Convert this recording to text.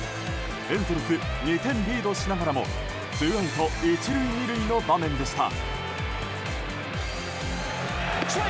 エンゼルス２点リードしながらもツーアウト１塁２塁の場面でした。